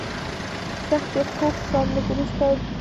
سخت یې خوږ کړم، لږ وروسته مې د وینې تود جریان.